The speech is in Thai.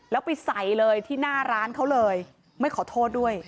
แล้วไปใส่เลยที่หน้าร้านเขาเลยไม่ขอโทษด้วย